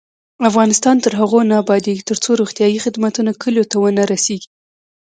افغانستان تر هغو نه ابادیږي، ترڅو روغتیایی خدمتونه کلیو ته ونه رسیږي.